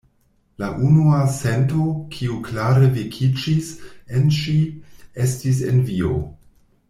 La unua sento, kiu klare vekiĝis en ŝi, estis envio.